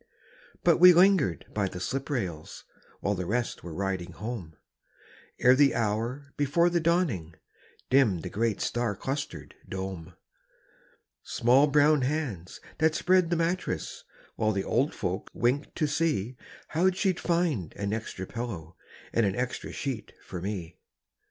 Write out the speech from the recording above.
But we lingered by the slip rails While the rest were riding home, Ere the hour before the dawning, Dimmed the great star clustered dome. Small brown hands that spread the mattress While the old folk winked to see How she'd find an extra pillow And an extra sheet for me.